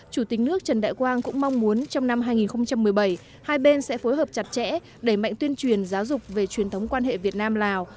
chủ tịch nước trần đại quang cũng mong muốn trong năm hai nghìn một mươi bảy hai bên sẽ phối hợp chặt chẽ đẩy mạnh tuyên truyền giáo dục về truyền thống quan hệ việt nam lào